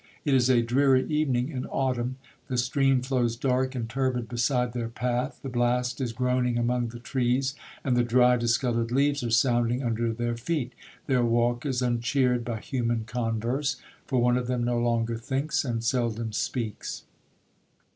It is a dreary evening in Autumn—the stream flows dark and turbid beside their path—the blast is groaning among the trees, and the dry discoloured leaves are sounding under their feet—their walk is uncheered by human converse, for one of them no longer thinks, and seldom speaks!